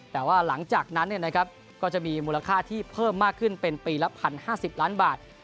แต่ว่าหลังจากนั้นก็จะมีมูลค่าที่เพิ่มมากขึ้นเป็นปีละ๑๐๕๐ล้านบาท